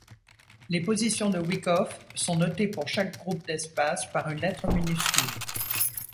Les positions de Wyckoff sont notées pour chaque groupe d'espace par une lettre minuscule.